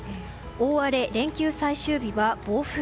大荒れ、連休最終日は暴風。